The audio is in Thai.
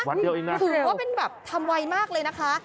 วันเดียวเองนะถือว่าเป็นแบบทำไวมากเลยนะคะ